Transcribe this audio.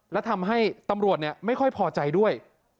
และทำให้ตำรวจไม่ค่อยพอใจด้วย